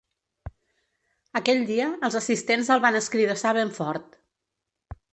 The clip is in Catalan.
Aquell dia els assistents el van escridassar ben fort.